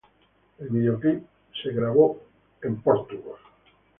El videoclip fue grabado en Chicago.